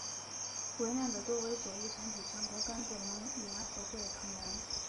罹难者多为左翼团体全国甘蔗农联合会的成员。